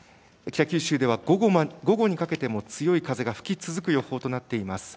北九州では午後にかけても強い風が吹き続く予報となっています。